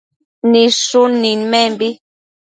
Nidshun nidmenbi